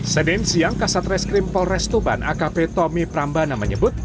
senin siang kasat reskrim polres tuban akp tommy prambana menyebut